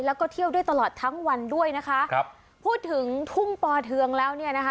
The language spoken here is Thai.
แล้วก็เที่ยวด้วยตลอดทั้งวันด้วยนะคะครับพูดถึงทุ่งปอเทืองแล้วเนี่ยนะคะ